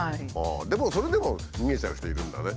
でもそれでも逃げちゃう人いるんだね。